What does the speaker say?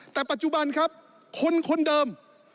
แต่ปัจจุบันครับคนคนเดิม